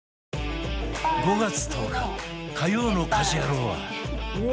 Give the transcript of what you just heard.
５月１０日火曜の『家事ヤロウ！！！』